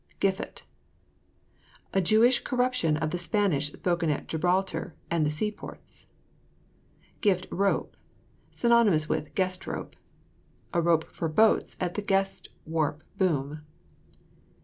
GIFFOOT. A Jewish corruption of the Spanish spoken at Gibraltar and the sea ports. GIFT ROPE [synonymous with guest rope]. A rope for boats at the guest warp boom.